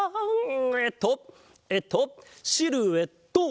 えっとえっとシルエット！